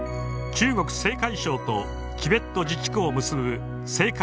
中国・青海省とチベット自治区を結ぶ青海